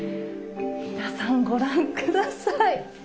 皆さんご覧下さい。